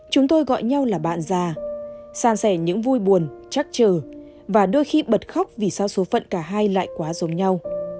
chúng tôi gọi nhau là bạn già sa sẻ những vui buồn chắc chờ và đôi khi bật khóc vì sao số phận cả hai lại quá dồn nhau